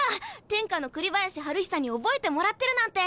天下の栗林晴久に覚えてもらってるなんて。